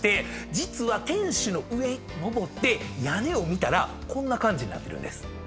実は天守の上登って屋根を見たらこんな感じになってるんです。